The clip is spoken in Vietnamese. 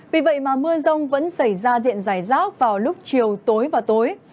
vì vậy mà mưa rông vẫn xảy ra diện giải rác vào lúc chiều tối và tối